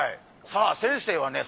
さあ先生はね